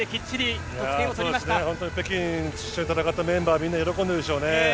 本当に北京を一緒に戦ったメンバーはみんな喜んでるでしょうね。